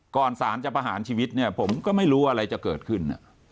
สารจะประหารชีวิตเนี่ยผมก็ไม่รู้อะไรจะเกิดขึ้น